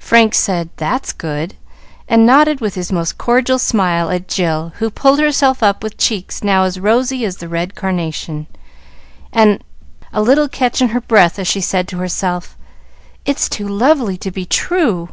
Frank said, "That's good!" and nodded with his most cordial smile at Jill who pulled herself up with cheeks now as rosy as the red carnation, and a little catch in her breath as she said to herself, "It's too lovely to be true."